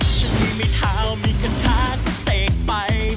ฉันมีเท้ามีกระทะก็เสกไป